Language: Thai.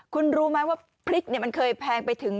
คุณรู้ไหมว่าพริกมันเคยแพงไปถึง